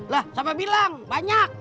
lah sama bilang banyak